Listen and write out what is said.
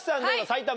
埼玉？